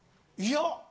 いや！